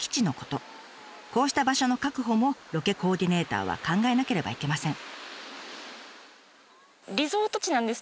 こうした場所の確保もロケコーディネーターは考えなければいけません。